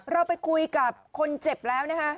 เราไปคุยกับคนเจ็บแล้วนะคะ